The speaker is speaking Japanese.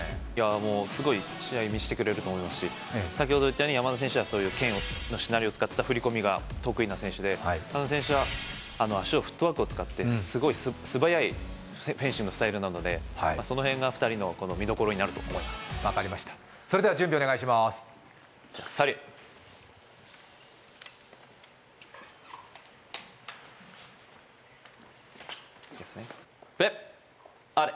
すごい試合見せてくれると思いますし先ほど言ったように山田選手はそういう剣のしなりを使った振り込みが得意な選手で加納選手は足をフットワークを使ってすごい素早いフェンシングのスタイルなのでその辺が２人の見どころになると思いますわかりましたそれでは準備お願いしますサリュプレ？